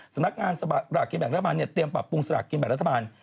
สำนักงานสลากกินแบ่งรัฐบาลเนี่ยเตรียมปรับปรุงสลากกินแบ่งรัฐบาล